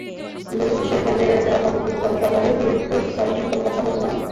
ভূরিভোজ সেরে কেন্দ্রে ফেরার পরে বিপত্তিতে পড়েন সহকারী প্রিসাইডিং কর্মকর্তা মুনসুর রহমান।